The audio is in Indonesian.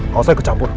kau saya kecampur